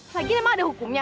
lagian emang ada hukumnya